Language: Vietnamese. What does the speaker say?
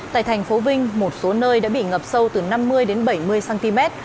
tại thành phố vinh một số nơi đã bị ngập sâu từ năm mươi đến bảy mươi cm